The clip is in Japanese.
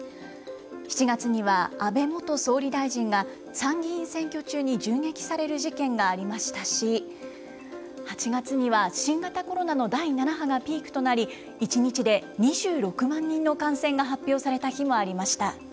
７月には安倍元総理大臣が、参議院選挙中に銃撃される事件がありましたし、８月には新型コロナの第７波がピークとなり、１日で２６万人の感染が発表された日もありました。